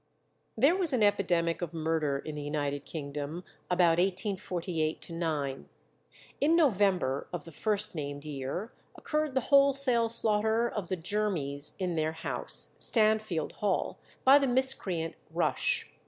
There was an epidemic of murder in the United Kingdom about 1848 9. In November of the first named year occurred the wholesale slaughter of the Jermys in their house, Stanfield Hall, by the miscreant Rush.